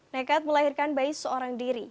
nekat melahirkan bayi seorang diri